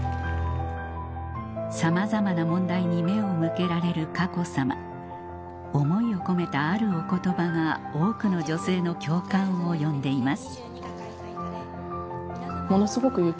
さまざまな問題に目を向けられる佳子さま思いを込めたあるお言葉が多くの女性の共感を呼んでいます